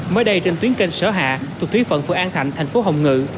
mới đây trên tuyến kênh sở hạ thuộc thuyết phận phượng an thạnh thành phố hồng ngự